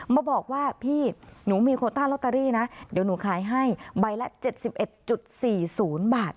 มาบอกว่าพี่หนูมีโคต้าลอตเตอรี่นะเดี๋ยวหนูขายให้ใบละ๗๑๔๐บาท